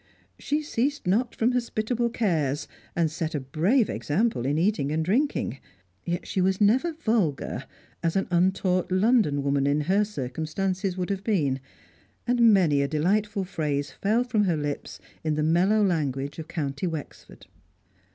She ceased not from hospitable cares, and set a brave example in eating and drinking. Yet she was never vulgar, as an untaught London woman in her circumstances would have been, and many a delightful phrase fell from her lips in the mellow language of County Wexford.